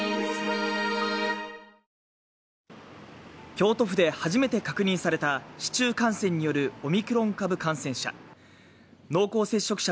京都府で初めて確認された市中感染によるオミクロン株感染者。